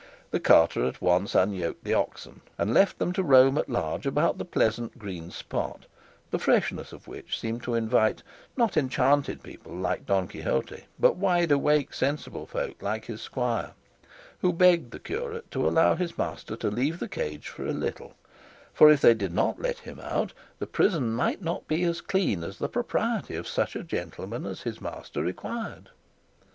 The carter at once unyoked the oxen and left them to roam at large about the pleasant green spot, the freshness of which seemed to invite, not enchanted people like Don Quixote, but wide awake, sensible folk like his squire, who begged the curate to allow his master to leave the cage for a little; for if they did not let him out, the prison might not be as clean as the propriety of such a gentleman as his master required.